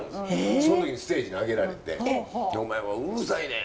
その時にステージに上げられて「お前はうるさいねん！